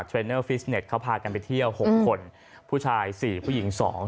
เทรนเนอร์ฟิสเน็ตเขาพากันไปเที่ยวหกคนผู้ชายสี่ผู้หญิงสอง